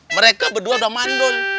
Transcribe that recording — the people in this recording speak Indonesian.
mereka berdua udah mandul